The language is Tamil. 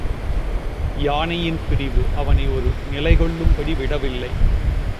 யானையின் பிரிவு அவனை ஒரு நிலை கொள்ளும்படி விடவில்லை.